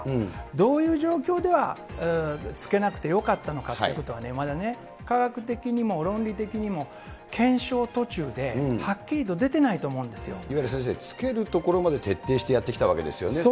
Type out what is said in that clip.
どういう状況では着けなくてよかったのかということはまだね、科学的にも論理的にも検証途中で、はっきりと出てないと思うんですいわゆる先生、着けるところまで徹底してやってきたわけですよね。